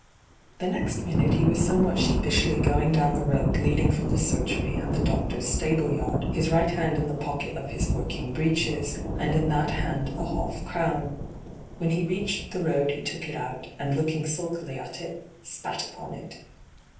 The next minute he was somewhat sheep ishly going down the yard leading from the surgery and the doctor's stable yard, his right hand in the pocket of his working breeches, D,gt,, 6rtbyGOOglC 54 ENTRAPPED and in that hand a half crown. When he reached the road he took it out, and, looking sulkily at it, spat upon it.